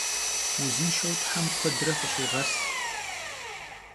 Vuzınşşeu them kuedre fış'iğes!